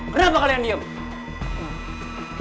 kenapa kalian diem